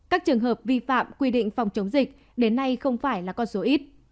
các trường hợp vi phạm quy định phòng chống dịch đến nay không phải là con số ít